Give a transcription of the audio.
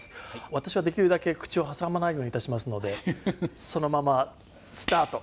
私はできるだけ口を挟まないようにいたしますのでそのままスタート！